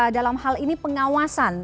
dalam hal ini pengawasan